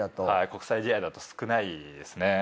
国際試合だと少ないですね。